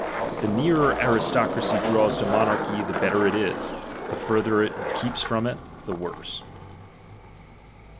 The nearer aristocracy draws to monarchy, the better it is ; the further it keeps from it, the worse.